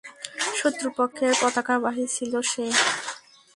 শত্রুপক্ষের পতাকাবাহী ছিল সে।